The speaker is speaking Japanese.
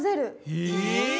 え？